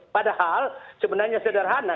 padahal sebenarnya sederhana